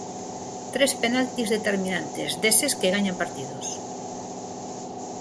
Tres penaltis determinantes, deses que gañan partidos.